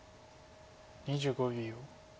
２５秒。